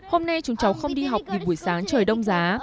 hôm nay chúng cháu không đi học vì buổi sáng trời đông giá